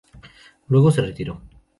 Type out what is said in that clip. Luego se retiró.